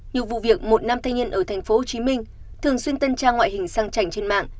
nhiều vụ việc một nam thanh niên ở tp hcm thường xuyên tân trang ngoại hình sang trành trên mạng